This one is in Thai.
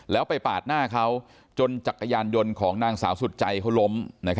แล้วไปปาดหน้าเขาจนจักรยานยนต์ของนางสาวสุดใจเขาล้ม